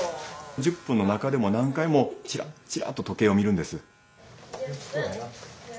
１０分の中でも何回もチラッチラッと時計を見るんです。